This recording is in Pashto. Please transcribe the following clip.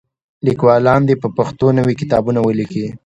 لیکوالان دې په پښتو نوي کتابونه ولیکي.